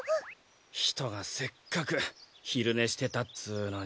ひとがせっかくひるねしてたっつうのに。